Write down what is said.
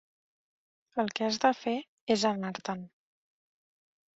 El que has de fer és anar-te'n.